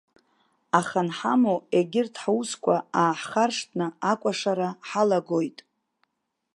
Аха анҳамоу, егьырҭ ҳусқәа ааҳхаршҭны, акәашара ҳалагоит.